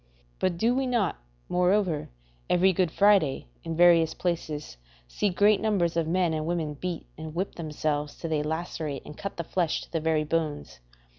But do we not, moreover, every Good Friday, in various places, see great numbers of men and women beat and whip themselves till they lacerate and cut the flesh to the very bones?